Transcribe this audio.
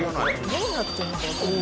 どうなってるのかわからない。